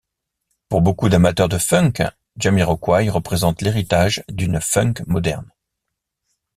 Pour beaucoup d'amateurs de funk, Jamiroquai représente l'héritage d'une funk moderne.